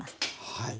はい。